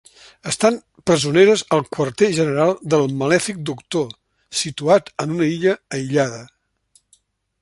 Estan presoneres al quarter general del malèfic doctor, situat en una illa aïllada.